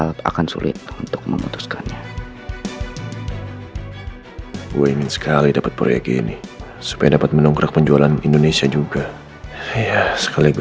saya sarankan untuk anda datang ke as secepat mungkin ini sangat penting